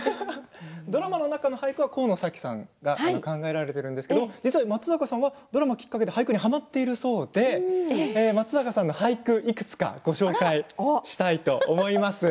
ドラマの中の俳句は神野紗希さんが考えられているんですけれども実は松坂さんはドラマがきっかけで俳句にはまっているそうで松坂さんの俳句をいくつかご紹介したいと思います。